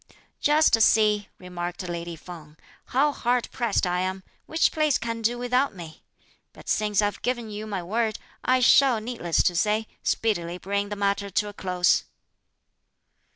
"Just see," remarked lady Feng, "how hard pressed I am; which place can do without me? but since I've given you my word, I shall, needless to say, speedily bring the matter to a close."